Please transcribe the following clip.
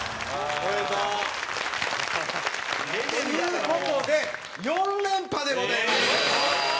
蛍原：という事で４連覇でございます。